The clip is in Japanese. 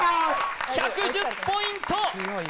１１０ポイント！